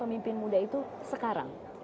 pemimpin muda itu sekarang